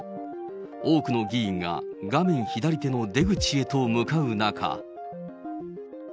多くの議員が画面左手の出口へと向かう中。